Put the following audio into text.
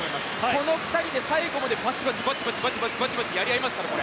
この２人で最後までバチバチバチバチやり合いますから。